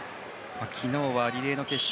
昨日はリレーの決勝